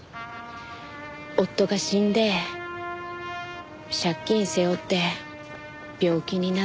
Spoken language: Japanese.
夫が死んで借金背負って病気になって。